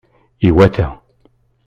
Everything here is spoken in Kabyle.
Iwata!